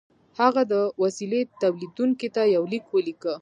هغه د وسیلې تولیدوونکي ته یو لیک ولیکه